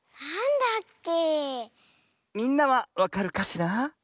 みんなはわかるかしら？